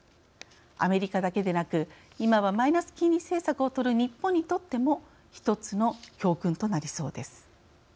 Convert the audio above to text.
アメリカだけでなく今はマイナス金利政策を取る日本にとっても１つの教訓となりそうです。